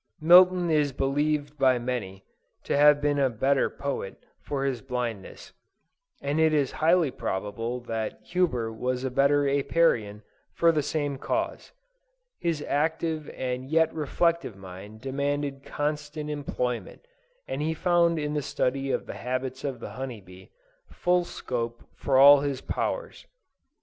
Milton is believed by many, to have been a better poet, for his blindness; and it is highly probable that Huber was a better Apiarian, for the same cause. His active and yet reflective mind demanded constant employment; and he found in the study of the habits of the honey bee, full scope for all his powers.